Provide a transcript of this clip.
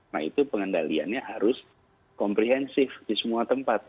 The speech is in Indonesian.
nah itu pengendaliannya harus komprehensif di semua tempat